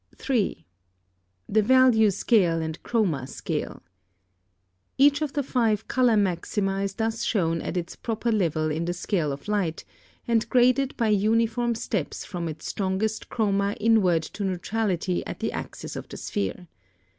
3. The Value Scale and Chroma Scale. Each of the five color maxima is thus shown at its proper level in the scale of light, and graded by uniform steps from its strongest chroma inward to neutrality at the axis of the sphere.